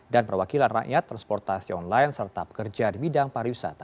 dan perwakilan rakyat transportasi online serta pekerja di bidang pariwisata